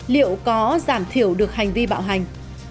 liệu có giảm thiểu được hành vi bạo hành